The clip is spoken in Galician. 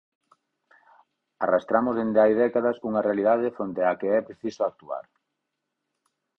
Arrastramos dende hai décadas unha realidade fronte á que é preciso actuar.